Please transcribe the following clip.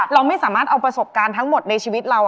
เราไม่สามารถเอาประสบการณ์ทั้งหมดในชีวิตเรา